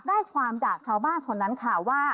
ได้ความด่าชาวบ้านคนนั้นค่ะว่า